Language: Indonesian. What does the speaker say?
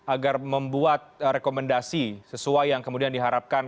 agar membuat rekomendasi sesuai yang kemudian diharapkan